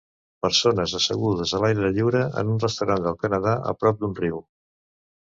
Persones assegudes a l'aire lliure en un restaurant del Canadà a prop d'un riu.